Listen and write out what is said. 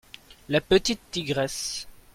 la petite tigresse.